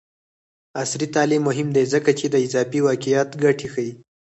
عصري تعلیم مهم دی ځکه چې د اضافي واقعیت ګټې ښيي.